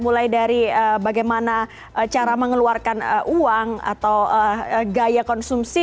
mulai dari bagaimana cara mengeluarkan uang atau gaya konsumsi